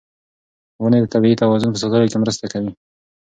ونې د طبیعي توازن په ساتلو کې مرسته کوي.